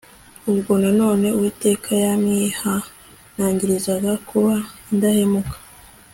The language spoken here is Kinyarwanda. ubwo nanone uwiteka yamwihanangirizaga kuba indahemuka